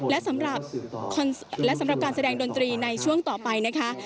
และสำหรับการแสดงดนตรีในช่วงต่อไปนะคะ